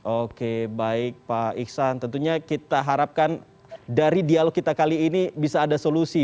oke baik pak iksan tentunya kita harapkan dari dialog kita kali ini bisa ada solusi